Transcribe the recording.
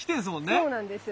そうなんです。